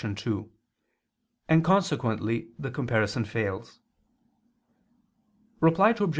2, ad 2), and consequently the comparison fails. Reply Obj.